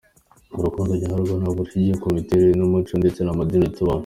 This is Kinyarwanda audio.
Urukundo nyarwo ntabwo rushingiye ku bitemewe n’umuco ndetse n’amadini tubamo.